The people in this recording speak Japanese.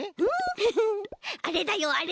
フフあれだよあれ。